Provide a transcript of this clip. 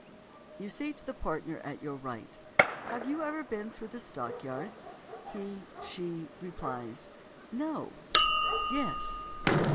_ You say to the partner at your right: "Have you ever been through the Stock Yards?" She (he) replies: "No." ("Yes.")